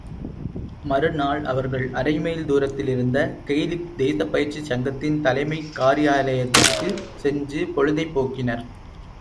மறுநாள் அவர்கள் அரைமைல் தூரத்திலிருந்த கெயிலிக் தேசப்பயிற்சிக் சங்கத்தின் தலைமைக் காரியாலயத்திற்குச் சென்று பொழுதைப் போக்கினர்.